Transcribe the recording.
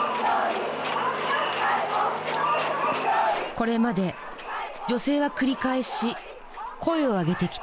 これまで女性は繰り返し声を上げてきた。